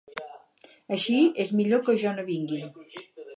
Així, és millor que jo no vingui.